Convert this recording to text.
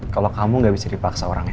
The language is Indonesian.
kalau kamu gak bisa dipaksa orangnya